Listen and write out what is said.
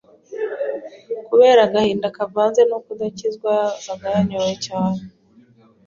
Kubera agahinda kavanze no kudakizwa, yazaga yanyoye cyane